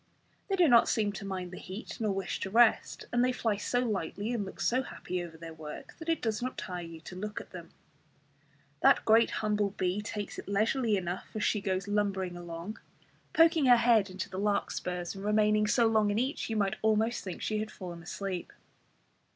They do not seem to mind the heat, nor to wish to rest; and they fly so lightly and look so happy over their work that it does not tire you to look at them. That great humble bee takes it leisurely enough as she goes lumbering along, poking her head into the larkspurs, and remaining so long in each you might almost think she had fallen asleep.